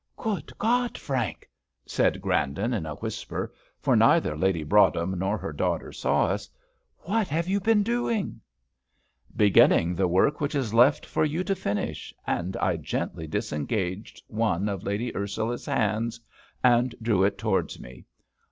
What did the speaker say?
"Good God! Frank," said Grandon, in a whisper, for neither Lady Broadhem nor her daughter saw us, "what have you been doing?" "Beginning the work which is left for you to finish;" and I gently disengaged one of Lady Ursula's hands, and drew it towards me.